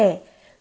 nỗi nhớ mùa đông